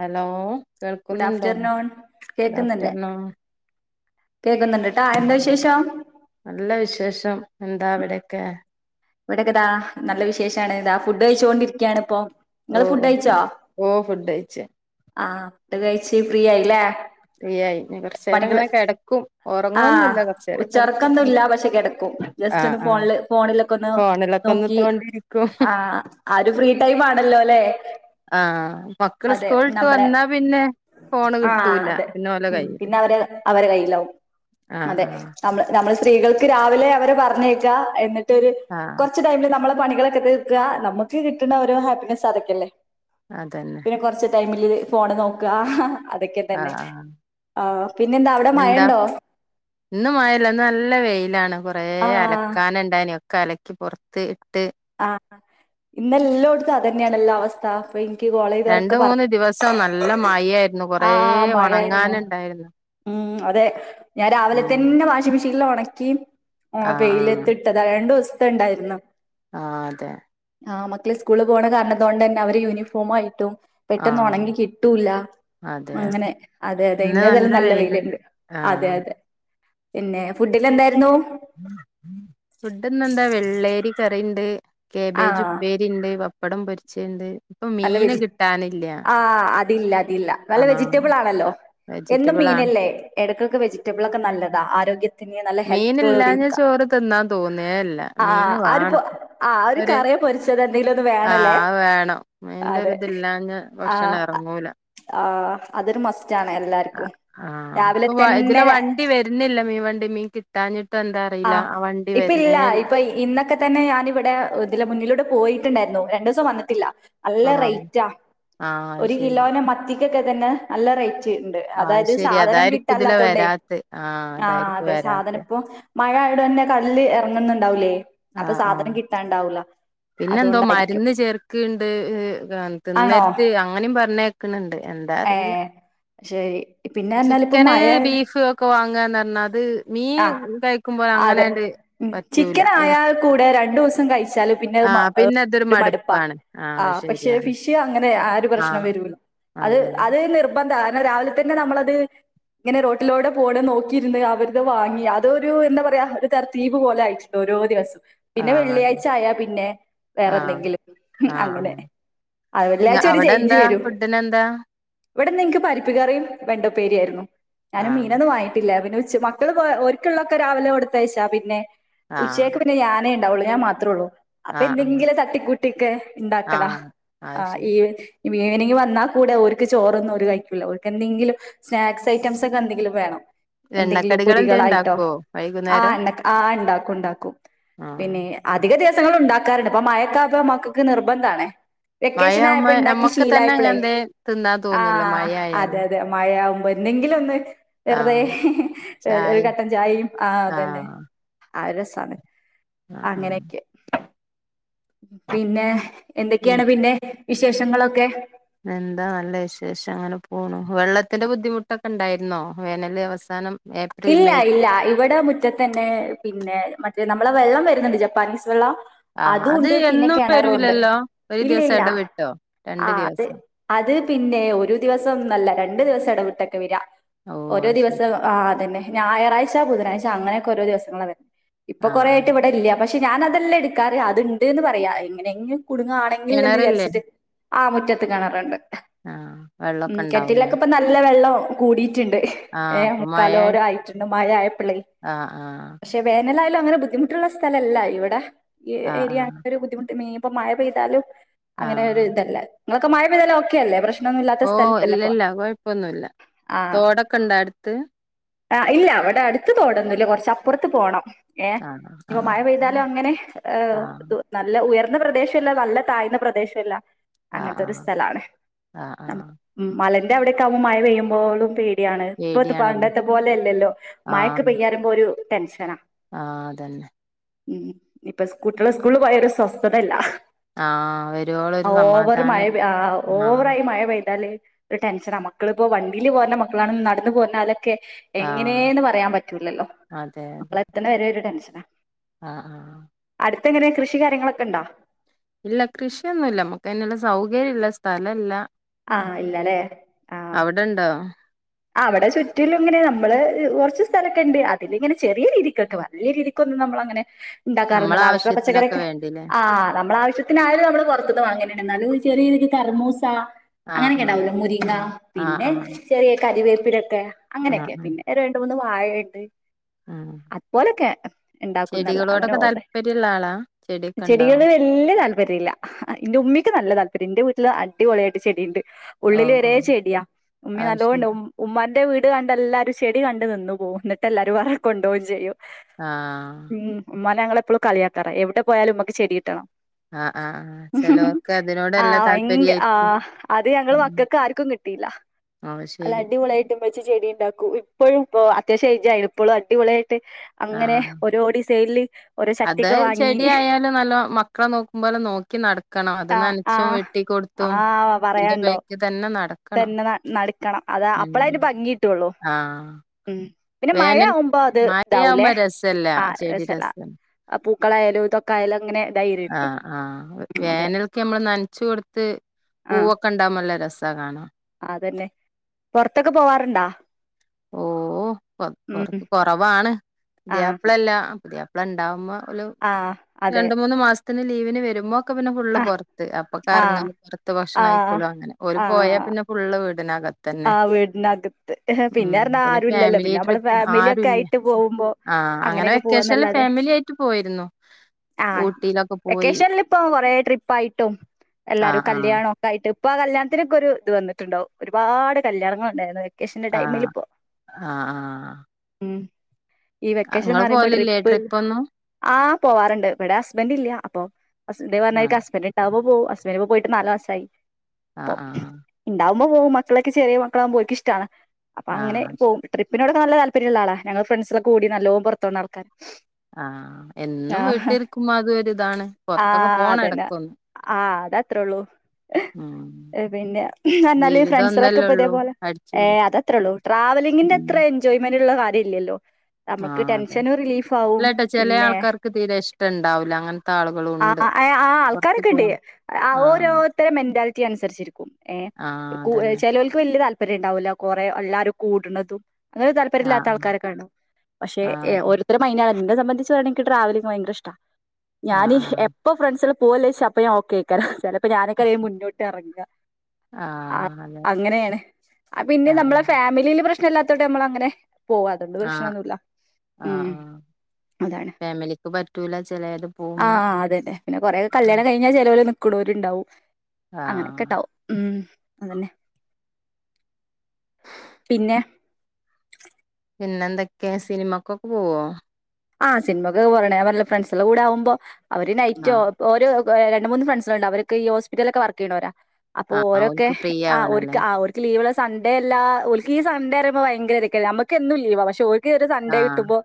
Hello good കേൾക്കുന്നുണ്ടോ afternoon good കേക്കുന്നുണ്ട് afternoon കേക്കുന്നുണ്ട്ട്ടാ എന്താ വിശേഷം നല്ല വിശേഷം എന്താ അവിടെക്കെ ഇവിടെക്കെതാ നല്ല വിശേഷാണ് ഇതാ ഫുഡ് കഴിച്ചോണ്ടിരിക്കാണ് ഇപ്പം ഓ ഇങ്ങള് ഫുഡ് ഓ കഴിച്ചോ ഓ ഓ ഫുഡ് കഴിച്ച് ആഹ് ഫുഡ് കയ്ച്ച് ഫ്രീ ആയില്ലേ ഫ്രീ ആയി ഇനി കൊറച്ചേരം പണികള് ഇങ്ങനെ കെടക്കും ആഹ് ഒറങ്ങൊന്നുല്ല കൊറച്ചേരം കെടക്കും ഉച്ചൊർക്കൊന്നും ഇല്ല പക്ഷെ കെടക്കും ജസ്റ്റ് ആഹ് ഒന്ന് ആഹ് ഫോണില് ഫോണിലൊക്കെ ഒന്ന് ഫോണിലൊക്കെ ഒന്ന് നോക്കി തോണ്ടിയിരിക്കും ആഹ് ആ ഒര് ഫ്രീ ടൈം ആണല്ലോ അലേ ആഹ് മക്കള് സ്കൂള്ട്ട് വന്നാ പിന്നെ ഫോണ് ആഹ് കിട്ടൂല അതെ പിന്നെ ഓലെ ഉം കൈയ്യില് പിന്നെ അവരെ അവരെ കയ്യിലാവും അതെ ആഹ് നമ്മൾ നമ്മൾ സ്ത്രീകൾക്ക് രാവിലെ അവരെ പറഞ്ഞേക്കാ എന്നി ട്ടൊര് ആഹ് കൊറച്ച് ടൈമില് നമ്മളെ പണികളൊക്കെ തീർക്ക നമ്മക്ക് കിട്ട്ണ ഓരോ ഹാപ്പിനസ് അതൊക്കെല്ലേ അതന്നെ പിന്നെ കുറച്ച് ടൈമില് ഫോണ് നോക അതക്കെ തന്നെ ആഹ് ആഹ് ആഹ് പിന്നന്താ അവിടെ മയ ഇണ്ടോ ഇന്നും മയല്ല നല്ല വെയിലാണ് കൊറേ ആ അലക്കാനണ്ടായിനുഒക്കെ അല ക്കി പുറത്ത് ഇട്ട് ആ ഇന്നെല്ലോട്ത്തും അതന്നെണല്ലോ അവസ്ഥ പ്പ എനിക്ക് കോളേ രണ്ട് മൂന്ന് ദിവസം നല്ല മയായിരുന്നു ആ കൊറേ മഴയായിരുന്നു ഉണങ്ങാൻ ഇണ്ടായിര്ന്ന് ഉം അതെ ഞാൻ രാവിലെ തന്നെ വാഷിംമെഷീനിൽ ഉണക്കി ആഹ് വെയിലത്തി ട്ടതാ രണ്ടു ദിവസത്തെ ഇണ്ടായിര്ന്ന് ആഹ് അതെ ആ മക്കള് സ്കൂള് പോണ കാരണ കൊണ്ട് തന്നെ അവര് യൂണിഫോം മായിട്ടും പെട്ടെന്ന് ആഹ് ഉണങ്ങി കിട്ടൂല്ല അതെ അതെ അങ്ങനെ അതെ അതെ ഇന്ന് ഇന്നതെല് നല്ല വെയിലുണ്ട് വെയില്ണ്ട് അതെ ആഹ് അതെ പിന്നെ ഫുഡിന് എന്തായിര്ന്നു ഫുഡ്ന്ന എന്താ വെള്ളേരി കറിണ്ട് ആ കേബേജ് ഉപ്പേരി ണ്ട് പപ്പടം പൊരിച്ച ഇണ്ട് ഇപ്പ മീന് കിട്ടാനില്ല ഇല്ല അതില്ല അതില്ല നല്ല ആഹ് വെജിറ്റബിള് ആണല്ലോ എന്നും വെജിറ്റബിൾ ആണ് മീനല്ലേ എടക്കൊക്കെ വെജിറ്റബിളൊക്കെ നല്ലതാ ആരോഗ്യം ന്നെ നല്ല മീനില്ലാഞ്ഞ ഹെൽത്തോടിക്ക ചോറ് തിന്നാൻ തോന്നേല്ല ആ മീന് അവരിപ്പോ വാണം ആ ഒര് ഒരു കറിയെ പൊരിച്ചത് എന്തെലും ഒന്ന് വേണല്ലേ അയിന്റെ അതെ ഒരിതില്ലാഞ്ഞാ ഭക്ഷണം ഇറങ്ങൂല ആ അതൊരു മസ്റ്റാണ് എല്ലാർക്കും ആഹ് രാവിലെ ഇപ്പൊ ഇതിലെ തന്നെ വണ്ടി വര്ന്നില്ല മീൻ വണ്ടി മീൻ കിട്ടാഞ്ഞിട്ട് എന്താ ആ അറിയില്ല വണ്ടി ഇപ്പ ഇല്ല വരുന്നേല്ല ഇപ്പ ഈ ഇന്നക്കെ തന്നെ ഞാനിവിടെ ഇതില മുന്നിലൂടെ പോയിട്ട്ണ്ടായിര്ന്നു രണ്ടു ദിവസം വന്നിട്ടില്ല നല്ല ആഹ് റേറ്റാ ആഹ് അത് ഒരു ശരി കിലോനെ മത്തിക്കൊക്കെ തന്നെ നല്ല റേ ണ്ട് ആഹ് അതാത് ശരി സാധനം അതായിരിക്കും ഇതിലെ കിട്ടല്ലാത്തോണ്ടേ വരാത്തെ ആഹ് അതായിരിക്കും അതെ സാധനം വരാത്തെ ഇപ്പം മഴ ആയ്കൊണ്ട് കടല്ല് ഇറങ്ങ്ന്ന്ണ്ടാവൂലേ അപ്പൊ സാധനം കിട്ടാൻണ്ടാവൂല പിന്നെ എന്തോ മരുന്ന് ചേർക്ക്ണ്ട് ആണോ തിന്നേരത് അങ്ങനേം പറ ക്ക്ണ് ണ്ട് എന്താ ഏ അറിയില്ല ശരി പിന്നെ പറഞ്ഞാല് ഇപ്പ ചിക്കന് മഴ ബീഫ് ഒക്കെ വാങ്ങാന്ന് പറഞ്ഞത് മീ ആഹ് ഇതാ അതെ ചിക്കൻ ആയാൽ കൂടെ രണ്ടൂസം കയിച്ചാല് പിന്നെ ആഹ് പിന്നെ അതൊരു മടു പ്പാ മടുപ്പാണ് ആഹ് പക്ഷെ ശരിയാണ് ഫിഷ് അങ്ങനെ ആ ഒരു പ്രശ്നം ആഹ് വരുല്ല അത് അതെ അത് നിർ ബഡാ രാവിലെ തന്നെ നമ്മളത് ഇങ്ങനെ റോട്ടിലോടെ പോണ നോക്കിയിരിന്ന് അവർട വാങ്ങി അതൊരു എന്താ പറയ റയാ [unintelligible] പോലെ ഇതായിട്ട്ണ്ട് ഓരോ ദിവസം പിന്നെ ആഹ് അതെ വെള്ളിയാച്ച ആയ പിന്നെ വേറെ ആഹ് എന്തെങ്കിലും ആഹ് അങ്ങനെ ആഹ് അത് ഇങ്ങ വെള്ളിയാച്ച ഒരു അവിടെ ചേഞ്ച് എന്താ വരും ഫുഡിന് എന്താ ഇവിടെന്ന് നിക്ക് പരിപ്പ് കറിയും വെണ്ട ഉപ്പേരി ആയിരുന്നു ഞാനും ആഹ് മീനൊന്നും വാങ്ങിട്ടില്ല പിന്നെ ഉച് മ മക്കള് ഒരിക്ള്ളൊക്കെ രാവിലെ കൊടുത്തയച്ചാ പിന്നെ ആഹ് ഉച്ചയ്ക്ക് പിന്നെ ഞാനേ ഇണ്ടാവുള്ളൂ ഞാൻ മാത്രേ ഉള്ളൂ അപ്പ ആഹ് ആഹ് എന്തെങ്കിലും തട്ടിക്കൂട്ടിക്കെ ഇണ്ടാക്കല ആഹ് ആ അത് ഈ ശരി [unintelligible] വന്നാൽ കൂടെ ഓര്ക്ക് ചോറൊന്നും ഔര് കയ്ക്കൂല ഓൾക്ക് എന്തെങ്കിലും സ്നാക്സ് ഐറ്റംസ് എന്തെങ്കിലും വേണം എന്തെങ്കിലും എണ്ണക്കടികൾ എന്തേ പൊരികളായിട്ടോ ഉണ്ടാക്കുവോ ആ വൈകുന്നേരം ഇണ്ട ആ ഇണ്ടാക്കും ഇണ്ടാക്കും ആഹ് പിന്നെ അധിക ദിവസങ്ങളും ഇണ്ടാക്കാറുണ്ട് ഇപ്പ മയക്കാപ്പ മക്കക്ക് നിർബന്ധാണേ വെക്കേഷൻ ആയപ്പ മഴയാവുമ്പോ ഇണ്ടാക്കി നമ്മക്ക് തന്നെ അങ്ങനെ ശീലായപ്പളെ എന്തേ തിന്നാൻ തോന്നൂല മഴ ആഹ് അതെ ആയാല് അതെ മയാവുമ്പോ എന്തെങ്കിലും ഒന്ന് വെറ്തെ ആഹ് ഒര് ചായ കട്ടൻ ചായയും ആ അതന്നെ ആഹ് ആ രസാണ് ആഹ് ആഹ് അങ്ങനെക്കെ പിന്നെ എന്തൊക്കേണ് പിന്നെ വിശേഷങ്ങളൊക്കെ എന്താ നല്ല വിശേഷം അങ്ങനെ പോണു വെള്ളത്തിന്റെ ബുദ്ധിമുട്ടൊക്കെ ഇണ്ടായിരുന്നോ വേനൽ അവസാനം ഏ ഇല്ല ഇല്ല ഇവിടെ മു റ്റതെന്നെ പിന്നെ മറ്റേ നമ്മളെ വെള്ളം വരുന്നുണ്ട് ജപ്പാനീസ് വെള്ളം ആഹ് അത് അതുണ്ട് പിന്നെ എന്നും കെണറുണ്ട് വരൂലല്ലോ ഒരു ദിവസം ഇല്ലല്ല ഇടവിട്ടോ രണ്ട് ആ അത് ദിവസം അത് പിന്നെ ഒരു ദിവസം നല്ല രണ്ടു ദിവസം ഇടവിട്ടൊക്കെ വര്അ ഓഹ് ഓരോ അത് ശരി ദിവസം ആഹ് തന്നെ ഞായറാഴ്ച ബുനാഴ്ച അങ്ങനൊക്കെ ഓരോ ദിവസങ്ങള വര ഇപ്പൊ ആഹ് ആഹ് കൊറേയിട്ട് ഇവിടെ ഇല്ല പ ക്ഷെ ഞാന് അതെല്ല എടുക്കാറ് അത്ണ്ട്ന്ന് പറയാ എങ്ങനെങ്കിലും കുട്ങ്ങാണെങ്കിൽ എന്ന് കിണറില്ലേ വിചാരിച്ചിട്ട് ആഹ് മുറ്റത്ത് കെണറ്ണ്ട് ആഹ് ഉം വെള്ളൊക്കെ ഉണ്ടാവൂലേ കെണറ്റിലൊക്കെ ഇപ്പ നല്ല വെള്ളം കൂടിയിട്ട്ണ്ട് ആഹ് ഇപ്പം മഴ ആയിട്ടുണ്ട് മഴായപ്പളേ ആഹ് ആഹ് ക്ഷേ വേനലായാലും അങ്ങനെ ബുദ്ധിമുട്ടുള്ള സ്ഥലല്ല ഇവിടെ ഈ ആഹ് ഏരിയ ആഹ് അങ്ങനൊരു ബുദ്ധിമുട്ട് മെയി ഇപ്പ മഴ പെയ്താലും അങ്ങനെ ഒരു ആഹ് ഇതല്ല ഇങ്ങളൊക്കെ മഴ പെയ്താലും ഓക്കെ അല്ലേ പ്രശ് ഓഹ് ഇല്ല ഇല്ല കൊഴപ്പൊന്നുല്ല തോടൊക്കെണ്ടോ അട്ത്ത് ആഹ് ഇല്ല ഇവിടെ അട്ത്ത് തോടന്നുല്ല കൊറച്ചപ്പർത്ത് പോണം ഏഹ് ആഹ് ഇഞ്ഞ്പ്പ ആഹ് മഴ പെയ്താലും അങ്ങനെ ഏഹ് ആഹ് നല്ല ഉയർന്ന പ്രദേശൊല്ല നല്ല താഴ്ന്ന പ്രദേശൊല്ല ആഹ് അങ്ങൻത്തൊരു ആഹ് സ്ഥലാണ് ആഹ് ആഹ് നമക്ക് ഉം മലന്റെ അവിടക്കെ ആവുമ്പോ മഴ പെയ്യുമ്പോഴും പേടിയാണ് ഇപ്പത് പേടിയാണല്ലോ പണ്ടത്തെ പോലെയല്ലല്ലോ മഴക്ക് ആഹ് പെയ്യാറിമ്പോ ഒരു ടെൻഷനാ ആഹ് അതെന്നെ ഉം ഇപ്പൊ സ്കൂട്ടള് സ്കൂള് പോയാരെ സ്വസ്ഥതല്ല ആഹ് വരുവോളൊരു ഓവർ മഴ സമാധാനം പെയ് ആഹ് ആഹ് ഓവറായി മഴ പെയ്താല് ഒരു ടെൻഷനാ മക്കളിപ്പോ വണ്ടിയില് പോര്ന മക്കളാണ് നടന്ന് പോന്നാലൊക്കെ ആഹ് എങ്ങനേന്ന് പറയാൻ പറ്റൂലല്ലോ അതെ അതെ മക്കള് എത്ത്ണ വരെ ഒരു ടെൻഷനാ ആഹ് ആഹ് അട്ത്ത് എങ്ങനെ കൃഷി കാര്യങ്ങളൊക്കെ ഇണ്ടോ ഇല്ല കൃഷിയൊന്നുല്ല മക്ക് അയ്ന്ള്ള സൗകര്യ ഇല്ല സ്ഥലല്ല ആഹ് ഇല്ലലേ അവ്ടെണ്ടോ ആ വടെ ചുറ്റിലും ഇങ്ങനെ നമ്മള് കൊറച്ച് സ്ഥലൊക്കെ ഇണ്ട് അതില് ഇങ്ങനെ ചെറിയ രീതിക്കൊക്കെ വല്യ രീതി ക്കൊന്നും നമ്മള അങ്ങനെ നമ്മളെ ഉണ്ടാക്കാറില്ല ആവിശ്യള്ള ആവശ്യത്തിനൊക്കെ പച്ചക്കറിയൊക്കെ വേണ്ടില്ലേ ആഹ് നമ്മളാവശ്യ ത്തിനായാലും നമ്മള് പൊറത്ത്ന്ന് വാങ്ങെന്യാണ് ന്നാലും ചെറിയ രീതി കർമൂസ ആഹ് അങ്ങനെയൊക്കെ ആഹ് ഇണ്ടാവോല്ലോ മുരിങ്ങ ആഹ് ആഹ് പിന്നെ ആഹ് ചെറിയ കരിവേപ്പിലൊക്കെ ആഹ് അങ്ങനെയൊക്കെ ആഹ് പിന്നെ രണ്ട് മൂന്ന് വാഴണ്ട് ആഹ് അത്പോലൊക്കെ ഉണ്ടാക്കുന്നല്ല അങ്ങനെ ചെടികളോടൊക്കെ ഓവർ താല്പര്യള്ള ആളാ ചെടിയൊക്കെ ഉണ്ടോ ചെടികള് വല്യ താല്പര്യല്ല എന്റെ ഉമ്മിയ്ക്ക് നല്ല താല്പര്യ ഇന്റെ വീട്ടില് അടിപൊളിയായിട്ട് ചെടിണ്ട് ഓ ഉള്ളില് ഓ വരെ ചെടിയാ ഉമ്മി ന അത് ശരി ഉമ്മാന്റെ വീട് കണ്ട എല്ലാരും ചെടി കണ്ട് നിന്നു പോവും ന്ന്ട്ട് എല്ലാരും വറ കൊണ്ടുപോവും ചെയ്യും ആഹ് ഉം ഉമ്മാനെ ഞങ്ങള് എപ്പളും കളിയാക്കാറ എവിടെ പോയാലും ഉമ്മക്ക് ചെടി കിട്ടണം ആഹ് ആഹ് ആഹ് ചെലോർക്ക് അതിനോട് നല്ല ആഹ് ഭയങ്ക താല്പര്യായിരിക്കും ആഹ് അത് ഞങ്ങള് ഉം മക്കൾക്ക് ആർക്കും കിട്ടിയില്ല അത് നല്ല ശരി അടിപൊളിയായിട്ട് ഇമ്മച്ചി ചെടി ഇണ്ടാക്കും ഇപ്പഴും ഇപ്പൊ അത്യാവശ്യം എയ്ജായി ഇപ്പളും അടിപൊളിയായിട്ട് അങ്ങനെ ആഹ് ഓരോ ഡിസൈനില് ഓരോ അത് ചട്ടിയൊക്കെ വാങ്ങി ചെടി ആയാലും നല്ലോം മക്കളെ നോക്കുമ്പോലെ നോക്കി നട ക്കണം അത് ആഹ് നനച്ചും ആഹ് വെട്ടികൊട്ത്തും ആഹ് അതിന്റെ പറയാണ്ടോ ബേക്ക് തന്നെ നട തന്നെ ന നടക്കണം അതാ അപ്പളയ്ൻ്റെ ഭംഗിട്ടൊള്ളൂ ആഹ് ഉം. പിന്നെ വേനൽ മഴാവുമ്പൊ അത് ഇതാവുലേ മഴയാവുമ്പോ രസല്ല ആഹ് ചെടി രസല്ല. രസം അ പൂക്കളായാലും ഇതൊക്കായാലു അങ്ങനെ. ഇതായിരിക്കും ആഹ് ആഹ് അതെ വേനൽക്ക് നമ്മള് നനച്ച് കൊട്ത്ത് ആ പൂവൊ ക്കണ്ടാവുമ്പ നല്ല രസാ കാണാൻ. അതന്നെ പുറത്തൊക്കെ പോവാറുണ്ടാ. ഓഹ് പൊ കുറ ഉം കുറവാണ് ആ പുതിയാപ്പളല്ല പുതിയാ പ്ലണ്ടാവുമ്പൊ ഒലു ആ അതെ രണ്ട് മൂന്ന് മാസത്തിന് ലീവിന് വരുമ്പം. ഒക്കെ പിന്നെ ഫുള്ള് ആ പൊറത്ത് അപ്പ ആ കറങ്ങലു പുറത്ത് ഭക്ഷണ ആ കഴിക്കലും അങ്ങനെ ഓല് പോയാ പിന്നെ. ഫുള്‌ള വീടിനക ആഹ് വീട്നക പിന്നെ പറഞ്ഞ ആരു ഇല്ലല്ലോ ഫാമിലി പിന്നെ നമ്മള ട്രിപ്പ് ആരുല്ല ഫാമില്യൊക്കെയിട്ട് പോകുമ്പോ ആഹ് അങ്ങനെ അങ്ങനെയൊക്കെ വെക്കേഷനില് പോവാന്നല്ലാതെ. ഫാമിലി ആയിട്ട് പോയിരുന്നു. ആഹ് ഊട്ടിയിലൊക്കെ പോയി വെക്കേഷൻലിപ്പൊ കൊറേ ട്രിപ്പായിട്ടും എല്ലാരും ആഹ് കല്യാണൊ. ടായിട്ട് ഇപ്പൊ ആ കല്യാണത്തിനൊക്കൊരു ഇത് വന്നിട്ടുണ്ടാവും ഒരുപാട് കല്യാണങ്ങള്ണ്ടായിരുന്നു വെ ക്കേഷന്റെ ആഹ് ടൈമിലിപ്പൊ ആഹ് ആഹ് ഉം. ഈ ആഹ് വെക്കേഷൻ എന്ന് ഇങ്ങള് പറയുമ്പൊ പോലില്ലേ ട്രിപ്പ്. ട്രിപ്പൊന്നും ആഹ് പോവാറുണ്ട് ഇവിടെ ഹസ്ബഡില്ല അപ്പൊ [unintelligible] ആഹ് ഹസ്ബൻഡ്. ഇണ്ടാവുമ്പൊ പോവും ഹസ്ബൻഡ്പ്പൊ പോയിട്ട് നാല് മാസായി അപ്പൊ ആഹ് ആഹ് ഉണ്ടാവുമ്പാ പോകും മ ക്കളൊക്കെ ചെറിയ മക്കളാവുമ്പൊ ഓൽക്കിഷ്ടാണ് അപ്പ അങ്ങനെ ആഹ് പോകും. ട്രിപ്പിനോടക്ക നല്ല താല്പര്യള്ള ആളാ ഞങ്ങള് ഫ്രണ്ട്സളൊക്കെ കൂടി നല്ലോ പുറത്തോണ ആൾക്കാര. ആഹ് എന്നും വീട്ടിരിക്കുമ്പൊ അതും ഒരു ഇതാണ് പുറത്തൊക്കെ പോകണ എടക്കൊന്ന്. ആഹ് അതത്രൊള്ളൂ ഉം അ് പിന്നെ എന്നാലേ ജീവിതം ഫ്രണ്ട്സ്. ഒന്നല്ലേ ത്രക്ക്പ്പ ഉള്ളൂ ഇതേപോലെ ഏ അടിച്ചുപൊളി അതത്രള്ളു ഉം ട്രാവലിങ്ങിന്റത്ര എൻജോയ്മെന്റ്ള്ള കാര്യല്ലല്ലോ. നമ്മക്ക് ആഹ് അതെ ടെൻഷനും റിലീഫാവും ഇല്ലട്ടോ ചെല പിന്നെ. ആൾക്കാർക്ക് തീരെ ഇഷ്ടണ്ടാവൂല അങ്ങനത്തെ ആളുകളും ഉണ്ട് ആഹ് ആഹ് ഏ ആഹ് പുറത്ത് ആൾക്കാരൊക്കെണ്ട് പോവാൻ ആ ഓരോ ആഹ് ത്തരെ മെന്റാലിറ്റി അനുസരിച്ചിരിക്കും ഏ ആഹ് ഒരു കൂ എ അതന്നെ ലോൽക്ക് വല്ല്യ താല്പര്യണ്ടാവുല കുറേ എല്ലാരും കൂട്ണതും. അങ്ങനെ താല്പര്യല്ലാത്ത ആഹ് ആൾക്കാരൊക്കെണ്ട് പക്ഷെ ആഹ് എ അതെ ഓര് ര മൈൻ്റാണ് ഇന്നെ സംബന്ധിച്ച് പറയാണെങ്കി എനിക്ക് ട്രാവലിംഗ് ഭയങ്കരഷ്ട ആഹ് ഞാന് എ ആഹ് പ്പ ഫ്രണ്ട്സള് പോവല്ലേ ചോയ്ച്ച അപ്പ ഞാൻ ഓകേകാരം ചെലപ്പൊ ഞാനയ്ക്കാരം അയന് മുന്നോട്ട് എറങ്ങ ആ ആഹ് അതെ അങ്ങനെണ് അ പിന്നിം നമ്മളെ ആഹ് ഫാമിലില് പ്രശ്നല്ലാത്തോണ്ട് നമ്മള് അങ്ങനെ പോവാ തണ്ട് ആഹ് പ്രശ്നൊന്നുല്ല. ആഹ് ഉം ആഹ്. അതാണ് ഫാമിലിക്ക് പറ്റൂല ചിലേത് പോവ്മ്മ അ ഞാ ചെലോല് നിക്കുണോര്ണ്ടാവും ആഹ് അങ്ങനൊക്കെണ്ടാവും ഉം അതന്നെ. പിന്നെ. പിന്നെന്തൊക്കെ സിനിമക്കൊക്കെ പോവോ. ആഹ് സിനിമക്കൊക്ക പോല്ണ്ട് ഞാൻ പറഞിലെ ഫ്രണ്ട്സളെ കൂടെ ആവുമ്പൊ അവര് നൈറ്റോ. ആഹ് ഓര് രണ്ട് മൂന്ന് ഫ്രണ്ട്സുകള്ണ്ട് അവരൊക്ക ഈ ഹോസ്പിറ്റൽലൊക്കെ വർക്കെയ്യ്ണോരാ. അപ്പൊ ആഹ് ഓരൊക്കെ ഓൽക്ക് ഫ്രീ ആ ഓര്ക് ആവണല്ലേ ആ ഓര് ലീവ്ള്ള സൺഡേയല്ല ഓൽക്കീ സൺഡേ പറയുമ്പ ഭയങ്കരതെക്കരം നമ്മക്ക് എന്നും ലീവ പക്ഷെ ഓൽ ക്ക് ഒരു സൺ‌ഡേ ആഹ് കിട്ടുമ്പൊ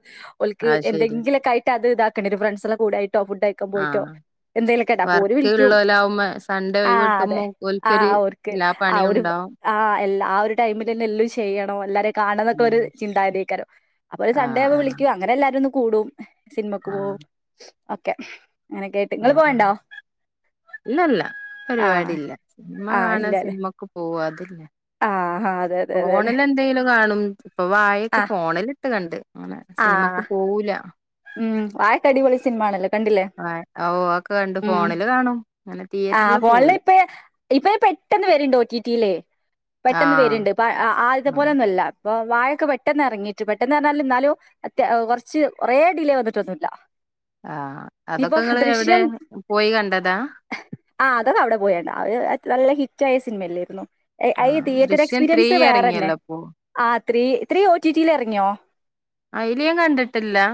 ഓൽക് അത് ശരി എന്തെങ്കിലൊക്കായിട്ട് അത് ഇതാക്കണ്ടെര്യും ഫ്രണ്ട്സെളെ കൂടെയിട്ടൊ ഫുഡയി ക്ക പോയിട്ടോ. ആഹ് എന്തെലൊക്കെട അപ്പോര് വർക്ക് വിളിക്ക്യും ഉള്ളോലാവുമ്പോ സൺഡേ ഒഴിവ് ആഹ് അതെ കിട്ടുമ്പോ ഓൽക്കൊരു ആഹ് ഓര്ക്ക് എല്ലാ ആ പണിയും ഓര്. ഉണ്ടാവും ആഹ് എല്ലാ ആ ഒരു ടൈമിലെന്നെല്ലും ചെയ്യണം എല്ലാര കാണന്നക്കൊരു ചിന്തകത്യേക്കാരം അപ്പൊ ഓര് ആഹ് സൺഡേവുമ്പൊ ആഹ് വിളിക്കും അങ്ങനെല്ലാരോന്ന് കൂടും. സിനിമക്ക് പോവും ആഹ് ഒക്കെ അങ്ങനൊക്കയിട്ട് ഇങ്ങള് ആഹ് ആഹ് പോവേണ്ടോ? ഇല്ലല്ല പരിവാടില്ല സിനിമ ആ കാണാ ഇല്ലല്ലേ സിനിമക്ക് പോവാ അതില്ല. ആ ആ അതെ അതെ അതെ അതെ ഫോണിലെന്തെങ്കിലും കാണും ഇപ്പൊ ആ വാഴെക്കെ ഫോണിലിട്ട് കണ്ട് അങ്ങനെ ആ സിനിമക്ക് പോവൂല. ഉം വാഴക്കടിപൊളി സിനിമാണല്ലോ. കണ്ടില്ലേ വാഴ ആഹ് ഓഹ് അതൊക്കെ കണ്ടു ഉം ഫോണില് കാണും അങ്ങനെ തിയേറ്ററില് പോവൂല. ഇപ്പയ്ന് പെട്ടെന്ന് വെര്ണ്ട് ഒ ടി ടില് പെട്ടെന്ന് ആഹ് വെര്ണ്ട് ഇപ്പ അ ആദ്യത്തെ ആഹ് പോലൊന്നല്ല. അപ്പൊ വാഴെക്കെ പെട്ടെന്ന് എറങ്ങിയിട്ട് പെട്ടെന്നർഞ്ഞാല് ഇന്നാലു അത്യ എഹ് കൊർച്ച്. കൊറേ ഡിലേ വന്നിട്ടൊന്നുല്ല. ആഹ് അതൊക്കെങ്ങള് എവിടെ പോയി കണ്ടതാ? ആഹ് അതൊക്കെ അവടെ പോയാണ്ട അത് അറ്റ് നല്ല ഹിറ്റായ സിനിമല്ലേര്ന്നോ. ഏഹ് അയ് ആഹ് തിയേറ്റർ ദൃശ്യം ത്രീ എക്സ്പീരിയൻസ് വേറെന്നെ എറങ്ങിയല്ലോ ഇപ്പൊ ആഹ് three three O T T ലെർങ്ങ്യോ? അയ്ല് ഞാൻ കണ്ട്ട്ട്ല്ല.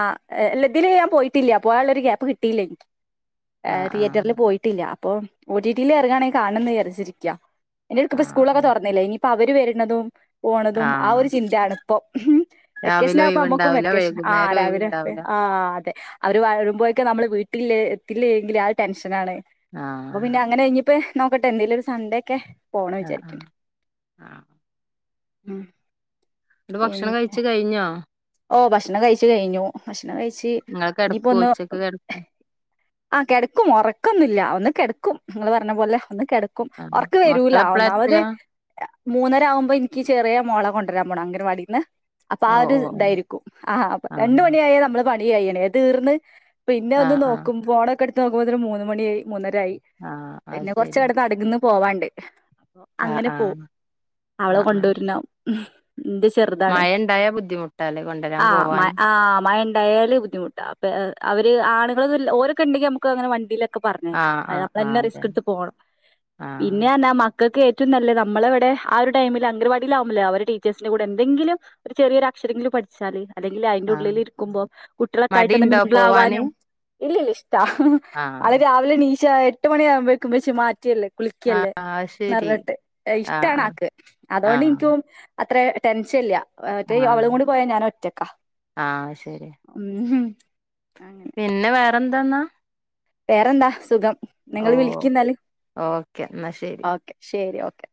ആഹ് എഹ് ഇല്ല ഇതില് ഞാൻ പോയീട്ടില്ല പോവാള്ളൊര് ഗ്യാപ്പ് കിട്ടീല്ലൻക്ക് ഏഹ് ആഹ് ആഹ് തിയേറ്റർല് പോയി ട്ടില്ല അപ്പോ ഓ ടി ടി യി ലെർങ്ങാണെ കാണണംന്ന് വിചാര്ച്ചിരിക്ക അയ്ന്റെട്ക്ക പ്പ സ്കൂളൊക്കെ ആഹ് തൊർന്നില്ലേ ഇനിയി പ്പവര് വെര്ണതും പോണതും ആ ആഹ് ഒരു ചിന്തേണ്പ്പൊ രാവിലെ വെക്കേഷനാവുമ്പോ അമ്മക്കും വെ ഒഴിവുണ്ടാവൂല ക്കേഷൻ ആഹ് വൈകുന്നേരം രാവിലെ പോയി ഒഴിവുണ്ടാവൂല ആഹ് അതെ. അവര് വരുമ്പോഴേക്ക് നമ്മള് വീട്ടിലെ എത്തില്ലെങ്കില് ആകെ ടെൻഷനാണ് അപ്പൊ ആഹ് പിന്ന ങ്ങനഴ്ഞ്ഞ്ട്ട് നോക്കട്ടെ എന്നേലൊരു സൺഡെക്കെ പോണം. ആഹ് വിചാരിക്ക്ണ്ട്. ആഹ് ആഹ് ഉം ന്നട്ട് ഭക്ഷണം കഴിച്ച് കഴ്ഞ്ഞോ? ഓഹ് ഭക്ഷണം കഴ്ച്ചു കഴ്ഞ്ഞു ഭക്ഷണം കഴിച്ച് ഇങ്ങള് കെടക്കോ ഇനിയിപ്പൊന്നു ഉച്ചക്ക് കെടക്കോ ആഹ് കെടക്കും ഒറക്കൊന്നുല്ല ഒന്ന് കെട്ക്കും ഇങ്ങള് പർഞ്ഞ പോലെ ഒന്ന് കെട് കും ആഹ് ഒർക്ക് വെരൂല മക്കളെപ്പളാ ഒന്നാമത്. എത്താ മൂന്നരാവുമ്പോ ഇൻക്ക് ചെറ്യേ മോളെ കൊണ്ടരാൻ പോണം അങ്കലവാടീന്ന് അപ്പൊ ആ ഓഹ് ഒര് ഓഹ് തായിരിക്കും ആഹാ അപ്പൊ രണ്ട് ഓഹ് മണിയായാ നമ്മളെ പണി കഴിയ്യ്ണെ അത് തീർന്ന് പിന്നെ ആഹ് ഒന്ന് ആഹ് ആഹ് നോക്കും ഫോണക്കെട്ത്ത് നോക്കുമ്പോത്തിന് മൂന്ന് മണ്യായി മൂന്നരായി ആഹ് അത് പിന്നെ ശരി കൊർച്ചങ്ങട്ട് നടന്നു പോവാണ്ട് ആഹ് അങ്ങനെ പോവും. ആഹ് അവളെ കൊണ്ടോരണം ഇന്റെ ചെർ മയണ്ടായാ ബുദ്ധിമുട്ടാലേ കൊണ്ട് ആഹ് മ ആഹ് മഴണ്ടായാല് ബു ദ്ധിമുട്ടാ അപ്പ അവര് ആണ്ങ്ങളൊന്നുല്ല ഓരൊക്കെണ്ടെങ്കി അമക്കങ്ങനെ വണ്ടീലൊ ക്കെ പർഞ്ഞേക്കാ ആഹ് ആഹ് ആഹ് അയപ്ലെന്നെ അതന്നെ റിസ്ക്ക്ട്ത് പോണം ആഹ് പിന്നർഞ്ഞ മക് ക്കക്ക് ഏവും നല്ലത് നമ്മളെവടെ ആ ഒരു ടൈമില് അംഗലവാടിയിലാവുമ്പൊല്ലെ അവര് ടീച്ചേഴ്സിന്റെ കൂടെ എന്തെങ്കിലും. ഒരു ചെറിയൊരക്ഷരെങ്കിലും പഠിച്ചാല് അല്ലെങ്കി ആഹ് ലയ്ന്റുള്ളിലിര്ക്കുമ്പോ കുട്ട്യെളൊക്കായ്ട്ട് ഒന്ന് മടിണ്ടോ പോവാന് മിംഗളാവാനും ഇല്ലല്ല ഇഷ്ടാ അവള് ആഹ് രാവിലെ നീചാ എട്ട് മണ്യാവുമ്പേക്കും ഇമ്മച്ചെ മാറ്റ്യല്ലേ ആഹ് കുളിക്ക്യല്ലേ അത് ശരി നർഞ്ഞ്ട്ട് എഹ് ആഹ് ആഹ് ഇഷ്ടാണാക്ക് അതോണ്ടിൻക്കും അത്ര ടെൻഷൻല്ല്യ മറ്റേ ആഹ് അവളും ആഹ് കൂടി പോയാ ഞാനൊറ്റക്കാ. ആഹ് ശരി ഉം ഹും [unintelligible] പിന്നെ വേറെന്താന്നാ? വേറെന്താ സുഖം ഓ നിങ്ങള് വിളിക്കിന്നാല്. ഓക്കെ എന്നാ ശരി ഓക്കെ ശെരി ഓക്കെ.